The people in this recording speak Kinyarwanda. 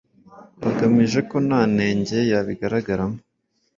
bagamije ko nta nenge yabigaragaramo